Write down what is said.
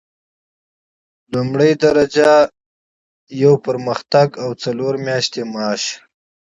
لومړۍ درجه یوه ترفیع او څلور میاشتې معاش.